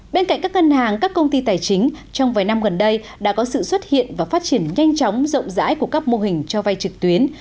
bên cạnh các ngân hàng các công ty tài chính trong vài năm gần đây đã có sự xuất hiện và phát triển nhanh chóng rộng rãi của các mô hình cho vay trực tuyến